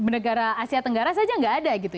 negara asia tenggara saja nggak ada gitu